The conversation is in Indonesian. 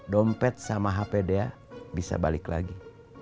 dompet sama hp dia bisa balik lagi